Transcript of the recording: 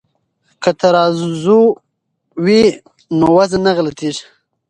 که ترازوی وي نو وزن نه غلطیږي.